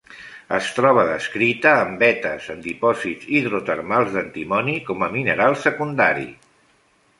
Es troba descrita en vetes en dipòsits hidrotermals d'antimoni, com a mineral secundari.